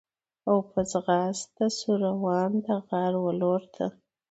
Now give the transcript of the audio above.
او په ځغاسته سو روان د غار و لورته